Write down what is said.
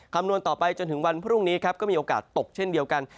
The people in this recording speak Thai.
คำนวณต่อไปจนถึงวันพรุ่งนี้ครับก็มีโอกาสตกเช่นเดียวกัน